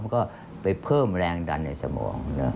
ก็ไปเพิ่มแรงดันในสมอง